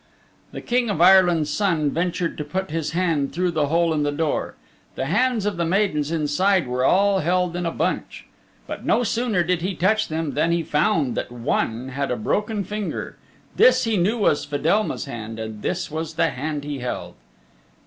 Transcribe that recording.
The King of Ireland's Son ventured to put his hand through the hole in the door. The hands of the maidens inside were all held in a bunch. But no sooner did he touch them than he found that one had a broken finger. This he knew was Fedelma's hand, and this was the hand he held.